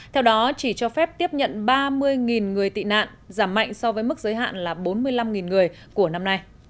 theo đó chỉ cho phép tiếp nhận ba mươi người tị nạn vào mỹ trong năm hai nghìn một mươi chín